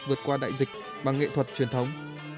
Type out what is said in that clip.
vượt qua đại dịch bằng nghệ thuật truyền thống